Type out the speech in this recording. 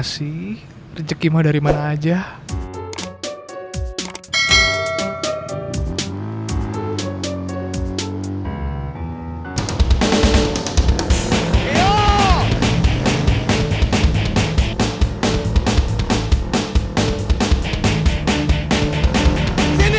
saya ikut bapak kemana aja pokoknya